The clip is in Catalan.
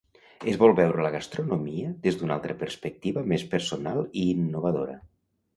Es vol veure la gastronomia des d'una altra perspectiva més personal i innovadora.